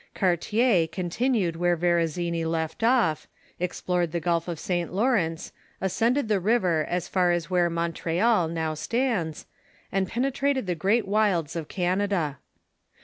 Cartier continued where Verazzani left off, ex plored the Gulf of St, Lawrence, ascended the river as far as where Montreal now stands, and penetrated the great wilds of Canada.